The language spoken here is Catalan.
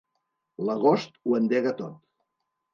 L'agost ho endega tot.